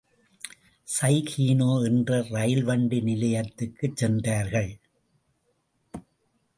சைகீனோ என்ற ரயில்வண்டி நிலையத்துக்குச் சென்றார்கள்.